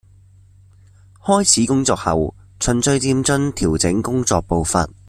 開始工作後，循序漸進調整工作步伐